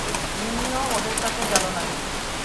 মিমিও ওদের সাথে গেল নাকি?